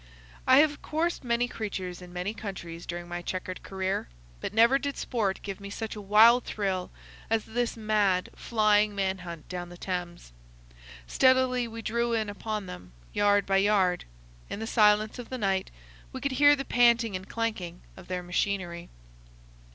I have coursed many creatures in many countries during my checkered career, but never did sport give me such a wild thrill as this mad, flying man hunt down the Thames. Steadily we drew in upon them, yard by yard. In the silence of the night we could hear the panting and clanking of their machinery.